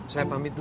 saya pamit dulu ya